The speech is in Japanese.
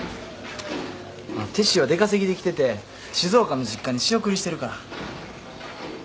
あっテッシーは出稼ぎで来てて静岡の実家に仕送りしてるから。